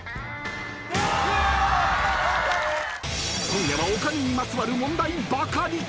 ［今夜はお金にまつわる問題ばかり］